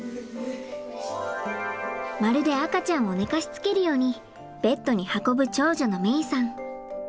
まるで赤ちゃんを寝かしつけるようにベッドに運ぶ長女の芽依さん。